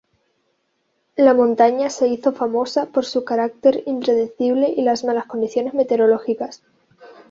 La montaña se hizo famosa por su carácter impredecible y las malas condiciones meteorológicas.